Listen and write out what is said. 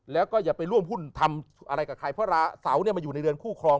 แล้วก็อย่าไปร่วมหุ้นทำอะไรกับใครเพราะราเสามาอยู่ในเรือนคู่ครอง